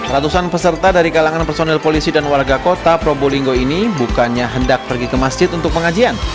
ratusan peserta dari kalangan personil polisi dan warga kota probolinggo ini bukannya hendak pergi ke masjid untuk pengajian